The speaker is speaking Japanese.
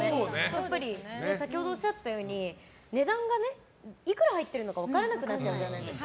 やっぱり先ほどおっしゃっていたように値段がいくら入ってるのか分からなくなっちゃうじゃないですか。